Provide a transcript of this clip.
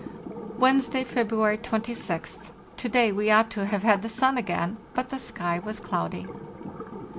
"Wednesday, February 26th. To day we ought to have had the sun again, but the sky was cloudy.